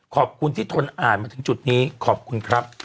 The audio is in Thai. ขอบคุณที่ทนอ่านมาถึงจุดนี้ขอบคุณครับ